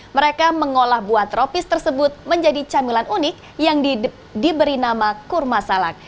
mereka mengolah buah tropis tersebut menjadi camilan unik yang diberi nama kurma salak